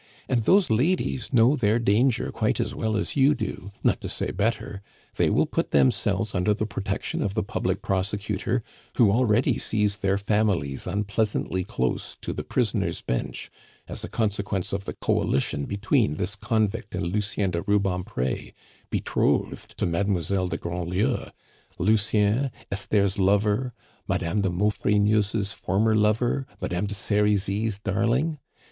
And those ladies know their danger quite as well as you do not to say better; they will put themselves under the protection of the public prosecutor, who already sees their families unpleasantly close to the prisoner's bench, as a consequence of the coalition between this convict and Lucien de Rubempre, betrothed to Mademoiselle de Grandlieu Lucien, Esther's lover, Madame de Maufrigneuse's former lover, Madame de Serizy's darling.